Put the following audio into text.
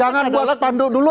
jangan buat pandu dulu